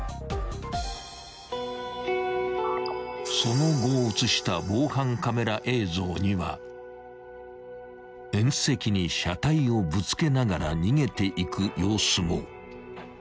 ［その後を写した防犯カメラ映像には縁石に車体をぶつけながら逃げていく様子も］